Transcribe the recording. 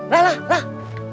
lah lah lah